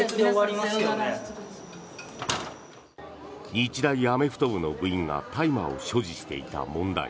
日大アメフト部の部員が大麻を所持していた問題。